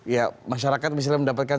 ya masyarakat misalnya mendapatkan